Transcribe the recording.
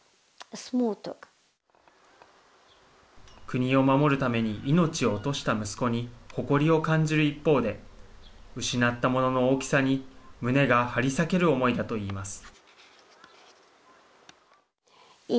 国を守るために命を落とした息子に誇りを感じる一方で失ったものの大きさに胸が張り裂ける思いだといいます。